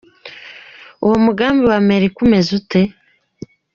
Uwo mugambi wa Amerika umeze gute?.